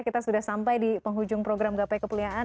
kita sudah sampai di penghujung program gapai kemuliaan